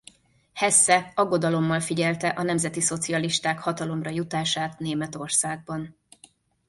Hesse aggodalommal figyelte a nemzetiszocialisták hatalomra jutását Németországban.